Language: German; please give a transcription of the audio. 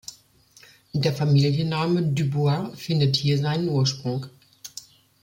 Der Familienname Du Bois findet hier seinen Ursprung.